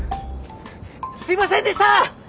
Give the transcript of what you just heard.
すいませんでした！